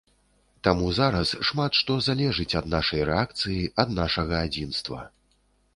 Таму зараз шмат што залежыць ад нашай рэакцыі, ад нашага адзінства.